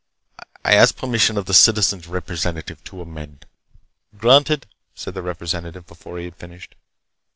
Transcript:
I ask permission of the Citizen's Representative to amend." "Granted," said the Representative before he had finished.